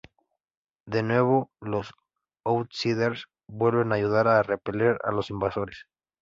De nuevo, los Outsiders vuelven ayudar a repeler a los invasores.